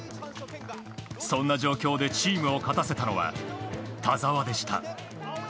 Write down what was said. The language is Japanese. そんな状況でチームを勝たせたのは田澤でした。